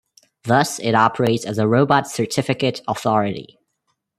Thus it operates as a robot certificate authority.